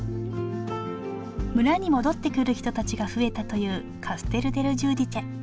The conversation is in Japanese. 村に戻ってくる人たちが増えたというカステル・デル・ジューディチェ。